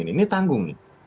ini tanggung nih